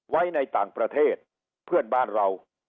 ไว้ในต่างประเทศเพื่อนบ้านเรา